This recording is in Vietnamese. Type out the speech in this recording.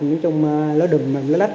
nó đầm nó lách